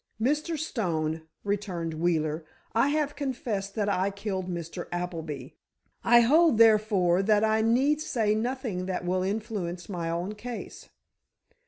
"Mr. Stone," returned Wheeler, "I have confessed that I killed Mr. Appleby; I hold, therefore, that I need say nothing that will influence my own case."